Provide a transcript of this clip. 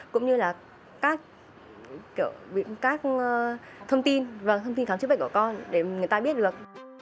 cũng như là các thông tin và thông tin khám chức bệnh của con để người ta biết được